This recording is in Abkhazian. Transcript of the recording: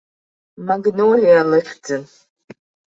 Маглониа лыхьӡын.